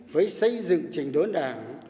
với xây dựng trình đối đảng